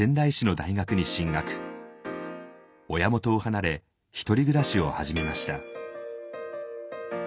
親元を離れひとり暮らしを始めました。